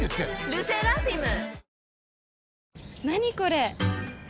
ＬＥＳＳＥＲＡＦＩＭ。